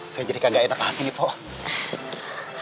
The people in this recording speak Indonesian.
saya jadi kagak enak lagi nih poh